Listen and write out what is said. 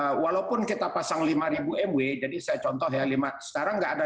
nah walaupun kita pasang lima ribu mw jadi saya contoh ya sekarang nggak ada